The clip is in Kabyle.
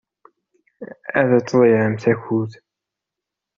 Ad tḍeyyɛemt akud.